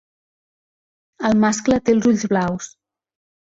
El mascle té els ulls blaus.